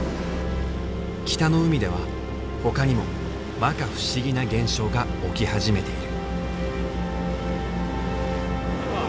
北の海ではほかにもまか不思議な現象が起き始めている。